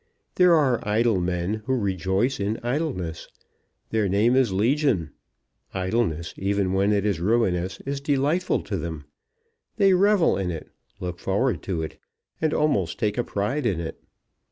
There are idle men who rejoice in idleness. Their name is legion. Idleness, even when it is ruinous, is delightful to them. They revel in it, look forward to it, and almost take a pride in it.